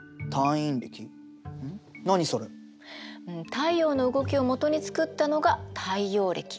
太陽の動きを基に作ったのが太陽暦。